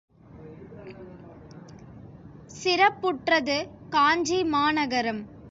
சிறப்புற்றது காஞ்சிமா நகரம்.